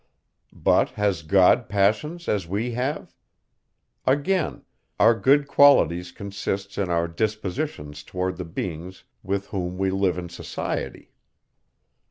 But has God passions as we have? Again: our good qualities consist in our dispositions towards the beings with whom we live in society.